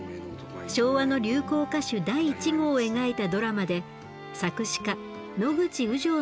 昭和の流行歌手第一号を描いたドラマで作詞家野口雨情の役です。